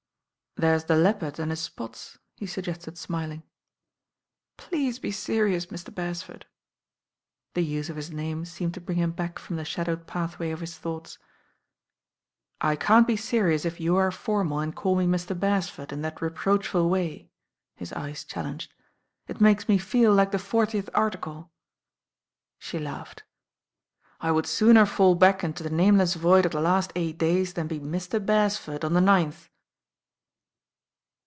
"There's the leopard and his spots," he suggested smiling. "Please be serious, Mr. Bercsford." The use of his name seemed to bring him back from the shadowed pathway of his thoughts. "I can't be serious if you are formal and call me •Mr. Bercsford' in that reproachful way." His eyes challenged, "It makes me feel like the Fortieth Article." She laughed. "I would sooner fall back into the nameless void of the last eight days than be 'Mr. Bercsford' on the ninth."